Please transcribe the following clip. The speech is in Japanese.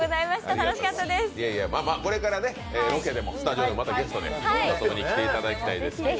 これからロケでもスタジオでも、またゲストで遊びに来ていただきたいと思います。